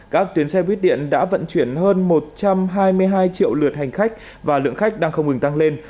các tuyến xe buýt điện đã vận chuyển hơn một trăm hai mươi hai triệu lượt hành khách và lượng khách đang không ngừng tăng lên